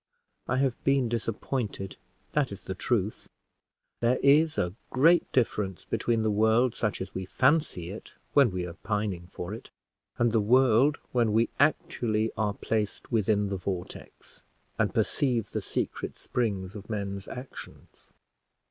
I have been disappointed, that is the truth. There is a great difference between the world such as we fancy it when we are pining for it, and the world when we actually are placed within the vortex, and perceive the secret springs of men's actions.